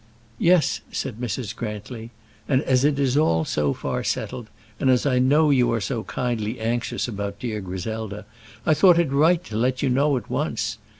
"Yes," said Mrs. Grantly. "And as it is all so far settled, and as I know you are so kindly anxious about dear Griselda, I thought it right to let you know at once.